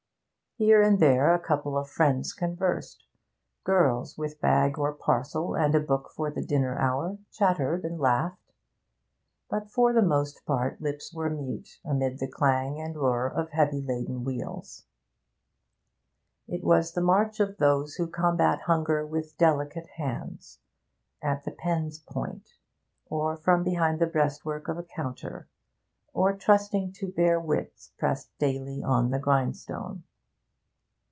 Here and there a couple of friends conversed; girls, with bag or parcel and a book for the dinner hour, chattered and laughed; but for the most part lips were mute amid the clang and roar of heavy laden wheels. It was the march of those who combat hunger with delicate hands: at the pen's point, or from behind the breastwork of a counter, or trusting to bare wits pressed daily on the grindstone.